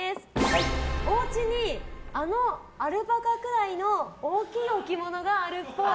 おうちにあのアルパカくらいの大きい置物があるっぽい。